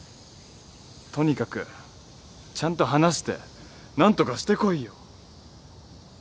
とにかくちゃんと話して何とかしてこいよ。